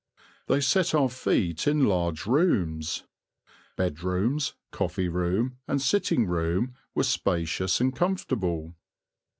They set our feet in large rooms. Bedrooms, coffee room, and sitting room were spacious and comfortable.